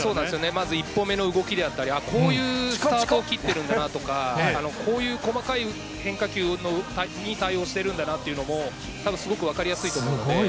まず一歩目の動きだったり、こういうスタートを切ってるんだなとか、こういう細かい変化球に対応してるんだなというのも、たぶんすごくわかりやすいと思いますので。